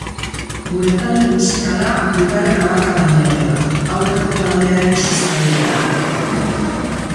Gure talde-musikala bigarren hamarkadan jaio da, aurreko taldearen sustraietatik.